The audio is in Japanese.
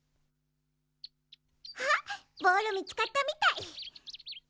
あっボールみつかったみたい。